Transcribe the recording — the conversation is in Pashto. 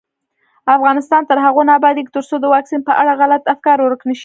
افغانستان تر هغو نه ابادیږي، ترڅو د واکسین په اړه غلط افکار ورک نشي.